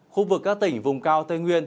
khu vực các tỉnh vùng cao tây nguyên